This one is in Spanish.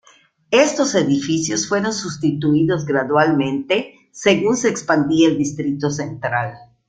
Estos edificios fueron sustituidos gradualmente según se expandía el distrito Central.